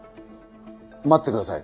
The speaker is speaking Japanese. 待ってください。